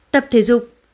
tập thể dục